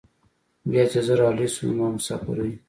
بيا چې زه رالوى سوم زما مسافرۍ.